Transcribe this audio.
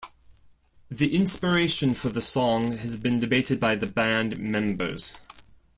The inspiration for the song has been debated by the band members.